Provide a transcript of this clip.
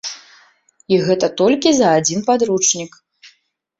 І гэта толькі за адзін падручнік.